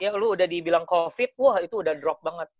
ya lu udah dibilang covid wah itu udah drop banget